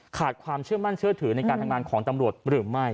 ความเชื่อมั่นเชื่อถือในการทำงานของตำรวจหรือไม่